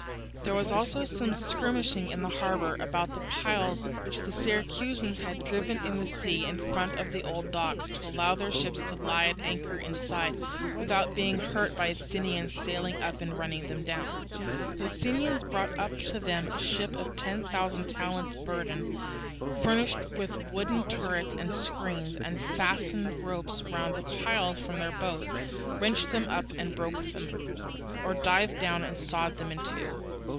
There was also some skirmishing in the harbour about the piles which the Syracusans had driven in the sea in front of the old docks, to allow their ships to lie at anchor inside, without being hurt by the Athenians sailing up and running them down. The Athenians brought up to them a ship of ten thousand talents burden furnished with wooden turrets and screens, and fastened ropes round the piles from their boats, wrenched them up and broke them, or dived down and sawed them in two.